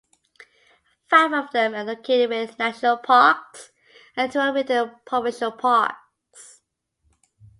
Five of them are located within national parks, and two are within provincial parks.